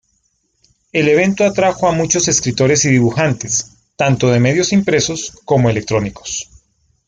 El evento atrajo a muchos escritores y dibujantes, tanto de medios impresos como electrónicos.